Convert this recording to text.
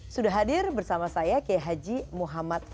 sudah hadir bersama saya k h m f